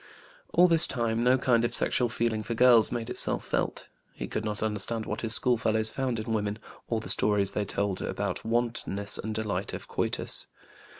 All this time, no kind of sexual feeling for girls made itself felt. He could not understand what his schoolfellows found in women, or the stories they told about wantonness and delight of coitus.